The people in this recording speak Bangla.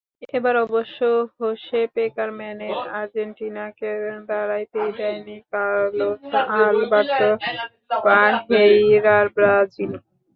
এবার অবশ্য হোসে পেকারম্যানের আর্জেন্টিনাকে দাঁড়াতেই দেয়নি কার্লোস আলবার্তো পাহেইরার ব্রাজিল।